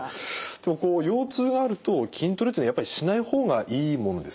でもこう腰痛があると筋トレっていうのはやっぱりしない方がいいものですか？